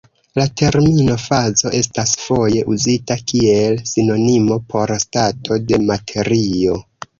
La termino fazo estas foje uzita kiel sinonimo por stato de materio.